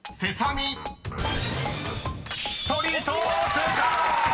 ［正解！］